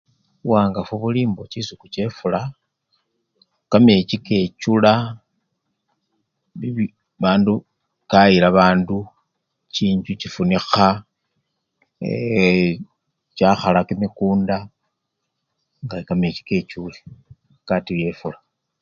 Buwangafu buli mbo chisiku chefula, kamechi kechula bib! bandu! kayila bandu, chinjju chifunikha eee! chakhala kimikunda nga kamechikechule katuyile efula.